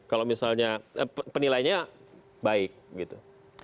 kalau misalnya penilainya baik gitu